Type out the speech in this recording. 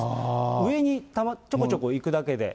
上にちょこちょこいくだけで。